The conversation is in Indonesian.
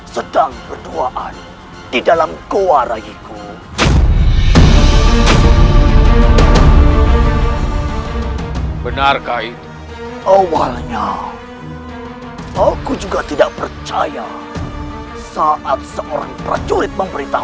sepertinya yuna memiliki luka yang sangat parah